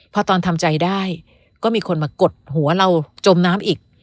พอตอนทำใจได้ก็มีคนมากดหัวเราจมน้ำอีก